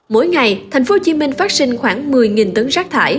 mỗi ngày thành phố hồ chí minh phát sinh khoảng một mươi tấn rác thải